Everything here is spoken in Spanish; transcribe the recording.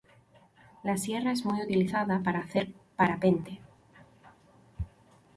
La sierra es muy utilizada para hacer parapente.